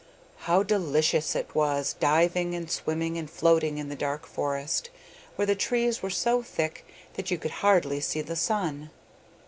How delicious it was diving and swimming and floating in the dark forest, where the trees were so thick that you could hardly see the sun!